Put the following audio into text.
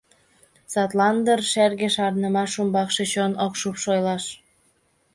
Садлан дыр шерге шарнымашым Умбакше чон ок шупш ойлаш.